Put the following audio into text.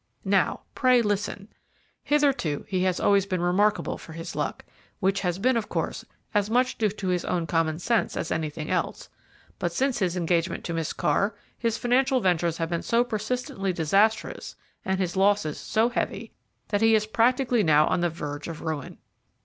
"Now, pray, listen. Hitherto he has always been remarkable for his luck, which has been, of course, as much due to his own common sense as anything else; but since his engagement to Miss Carr his financial ventures have been so persistently disastrous, and his losses so heavy, that he is practically now on the verge of ruin.